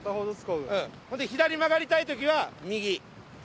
曲がりたい時は右。